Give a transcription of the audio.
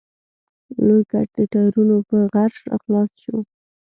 لوی ګټ د ټايرونو په غژس راخلاص شو.